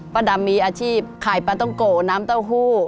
ดำมีอาชีพขายปลาต้องโกน้ำเต้าหู้